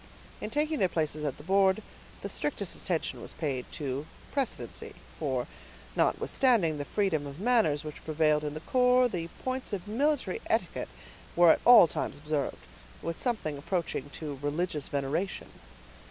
In taking their places at the board, the strictest attention was paid to precedency; for, notwithstanding the freedom of manners which prevailed in the corps, the points of military etiquette were at all times observed, with something approaching to religious veneration.